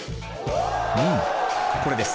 うんこれです。